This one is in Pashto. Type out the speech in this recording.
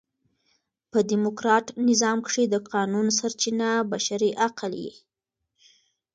په ډیموکراټ نظام کښي د قانون سرچینه بشري عقل يي.